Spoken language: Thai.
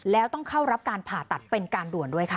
แล้วต้องเข้ารับการผ่าตัดเป็นการด่วนด้วยค่ะ